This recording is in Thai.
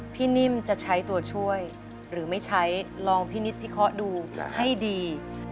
พี่นิมจะใช้ตัวช่วยหรือไม่ใช้ลองพี่นิดพี่เคาะดูให้ดี